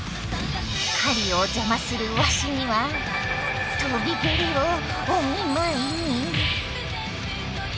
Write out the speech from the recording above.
狩りを邪魔するワシには跳び蹴りをお見舞い。